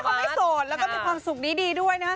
เพราะว่าเขาไม่โสดแล้วก็มีความสุขนิดดีด้วยนะครับ